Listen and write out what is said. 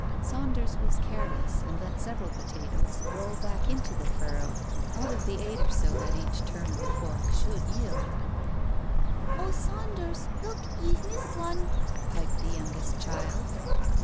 Saunders was careless, and let several potatoes roll back Digitized by Google THE BAROMETER 217 into the furrow, out of the eight or so that each turn of the fork should yield. "Oh, Saunders, look, ye've missed one!" piped the youngest child.